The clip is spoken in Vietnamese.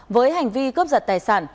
với hành vi cướp giật tài sản